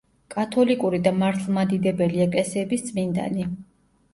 კათოლიკური და მართლმადიდებელი ეკლესიების წმინდანი.